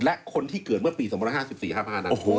และคนที่เกิดเมื่อปี๒๕๔๕๕นั้น